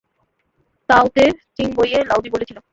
তাও-তে-চিং বইয়ে লাওজি বলেছিল।